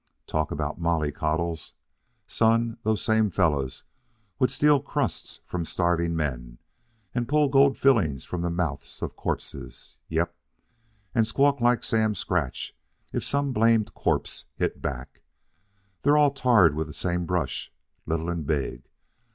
Talk about mollycoddles! Son, those same fellows would steal crusts from starving men and pull gold fillings from the mouths of corpses, yep, and squawk like Sam Scratch if some blamed corpse hit back. They're all tarred with the same brush, little and big.